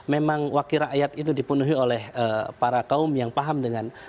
memang wakil rakyat itu dipenuhi oleh para kaum yang paham dengan